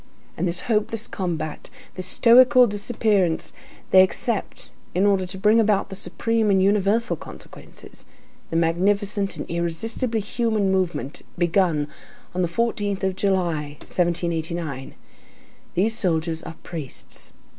And this hopeless combat, this stoical disappearance they accept in order to bring about the supreme and universal consequences, the magnificent and irresistibly human movement begun on the 14th of July, 1789; these soldiers are priests.